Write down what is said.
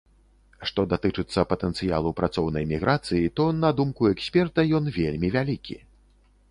Што датычыцца патэнцыялу працоўнай міграцыі, то, на думку эксперта, ён вельмі вялікі.